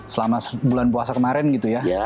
selama bulan puasa kemarin gitu ya